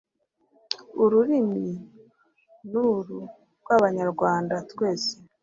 Ururimi nur rw'Abanyarwanda TWESE.